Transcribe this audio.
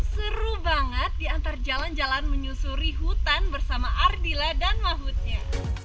seru banget diantar jalan jalan menyusuri hutan bersama ardila dan mahutnya